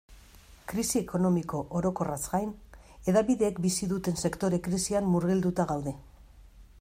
Krisi ekonomiko orokorraz gain, hedabideek bizi duten sektore-krisian murgilduta gaude.